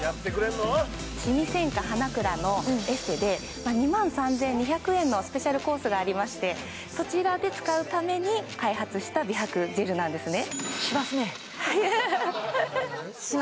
シミ専科花蔵のエステで２３２００円のスペシャルコースがありましてそちらで使うために開発した美白ジェルなんですね